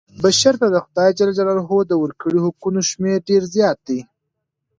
بشر ته د خدای ج د ورکړي حقونو شمېره ډېره زیاته ده.